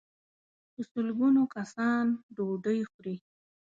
په سل ګونو کسان ډوډۍ خوري.